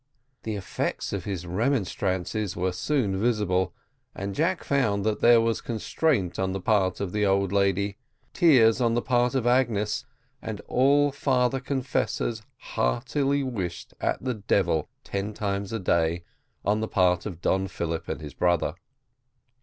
The effects of his remonstrances were soon visible, and Jack found that there was constraint on the part of the old lady, tears on the part of Agnes, and all father confessors heartily wished at the devil ten times a day on the part of Don Philip and his brother.